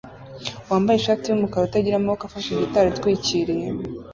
wambaye ishati yumukara utagira amaboko afashe gitari itwikiriye